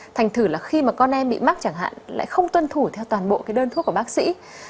thành thử là khi mà con em bị mắc chẳng hạn lại không tuân thủ theo toàn bộ cái đơn thuốc của bác sĩ